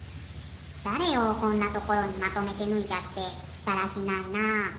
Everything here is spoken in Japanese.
だれよこんなところにまとめてぬいじゃってだらしないな。